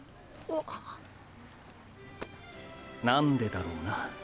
何でだろうな。